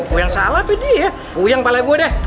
kuyang sale apa dia kuyang kepala gue deh